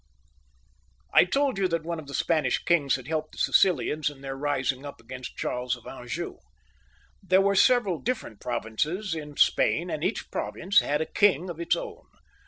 I told you that one of the Spanish kings had' helped ; the Sicilians in their rising up against Charles of Anjou. There were several different provinces in Spain, and each province had a king of its own.